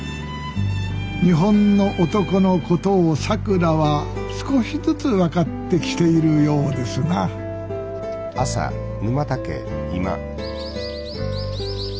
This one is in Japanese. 日本の男のことをさくらは少しずつ分かってきているようですなさくら先生。